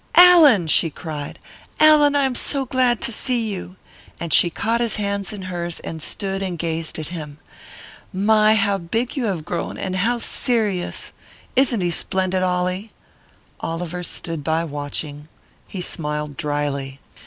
"Allan!" she cried, "Allan! I am so glad to see you!" And she caught his hands in hers and stood and gazed at him. "My, how big you have grown, and how serious! Isn't he splendid, Ollie?" Oliver stood by, watching. He smiled drily.